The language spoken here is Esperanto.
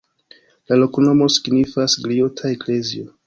La loknomo signifas: griota-eklezio.